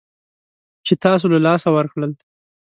چې تاسو له لاسه ورکړل